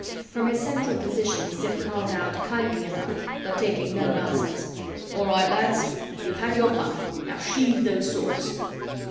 From his central position, Sid called out, kindly enough but taking no nonsense, "All right, lads, you've had your fun. Now sheathe those swords."